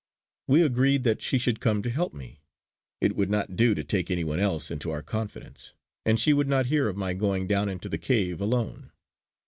We agreed that she should come to help me; it would not do to take any one else into our confidence, and she would not hear of my going down into the cave alone.